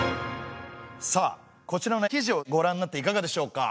さあこちらの記事をごらんになっていかがでしょうか？